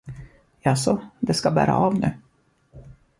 Jaså, det ska bära av nu?